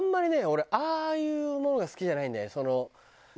俺ああいうものが好きじゃないんだよね。